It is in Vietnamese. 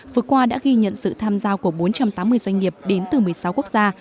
vừa qua đã ghi nhận sự tham gia của bốn trăm tám mươi doanh nghiệp đến từ một mươi sáu quốc gia